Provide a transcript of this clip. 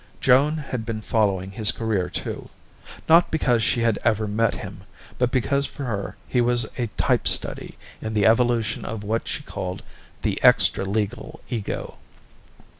Joan had been following his career, too, not because she had ever met him, but because for her he was a type study in the evolution of what she called "the extra legal ego."